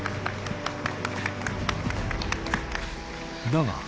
だが。